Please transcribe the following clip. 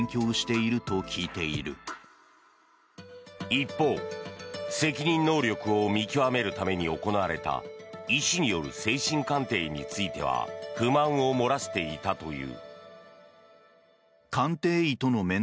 一方、責任能力を見極めるために行われた医師による精神鑑定については不満を漏らしていたという。